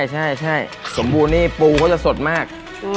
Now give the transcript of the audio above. ใช่สมบูรณ์นี่ปูก็จะสดมาก